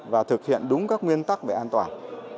và thực hiện đúng các nguyên tắc về an toàn